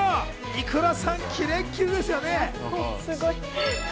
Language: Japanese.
ｉｋｕｒａさん、キレキレですよね。